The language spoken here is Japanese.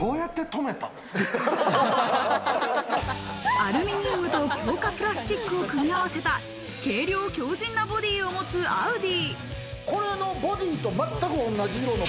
アルミニウムと強化プラスチックを組み合わせた軽量強靭なボディを持つアウディ。